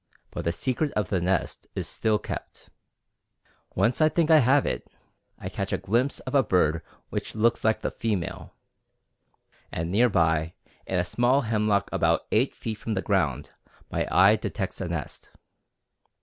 But the secret of the nest is still kept. Once I think I have it. I catch a glimpse of a bird which looks like the female, and near by, in a small hemlock about eight feet from the ground, my eye detects a nest.